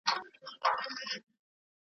لعل په ایرو کي نه ورکېږي .